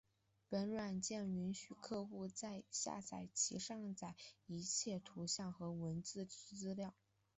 本软件允许用户在下载其上载的一切图像和文字资料。